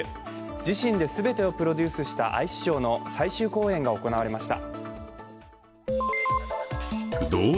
自身で全てをプロデュースしたアイスショーの最終公演が行われました。